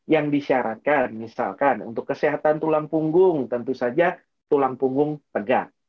yang disyaratkan misalkan untuk kesehatan tulang punggung tentu saja tulang punggung tegak